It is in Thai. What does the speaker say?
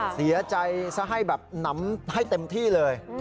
เสียใจซะให้แบบหนำให้เต็มที่เลย